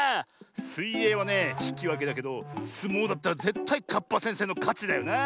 すいえいはねひきわけだけどすもうだったらぜったいカッパせんせいのかちだよなあ。